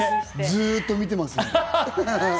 ずっと見てます。